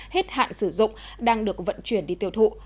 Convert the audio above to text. hết hạn sử dụng đang được vận chuyển đi tiêu thụ